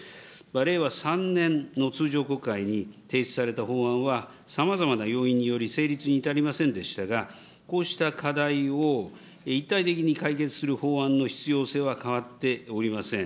令和３年の通常国会に提出された法案は、さまざまな要因により成立に至りませんでしたが、こうした課題を一体的に解決する法案の必要性は変わっておりません。